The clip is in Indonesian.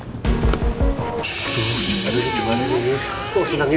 aduh aduh gimana ini